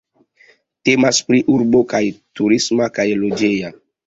Temas pri urbo kaj turisma kaj loĝeja.